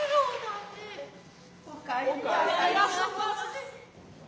お帰りなさいませ。